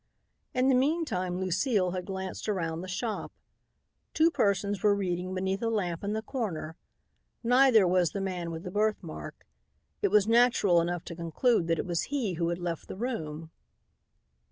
In the meantime Lucile had glanced about the shop. Two persons were reading beneath a lamp in the corner. Neither was the man with the birthmark. It was natural enough to conclude that it was he who had left the room.